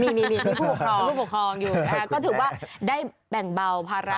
นี่ผู้ปกครองผู้ปกครองอยู่นะคะก็ถือว่าได้แบ่งเบาภาระ